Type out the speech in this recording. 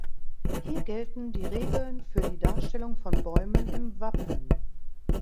Hier gelten die Regeln für die Darstellung von Bäumen im Wappen.